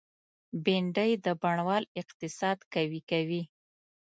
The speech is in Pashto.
بېنډۍ د بڼوال اقتصاد قوي کوي